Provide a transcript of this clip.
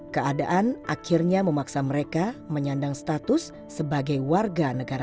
keadaan akhirnya memaksa mereka menyandang status sebagai warga negara